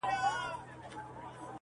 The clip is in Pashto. دغه ځای به مي تر مرګه یادومه٫